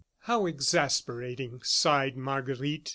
"How exasperating!" sighed Marguerite.